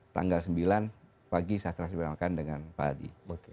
tanggal sembilan pagi saya setelah dikeluarkan dengan pak hadi